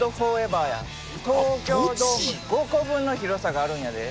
東京ドーム５個分の広さがあるんやで。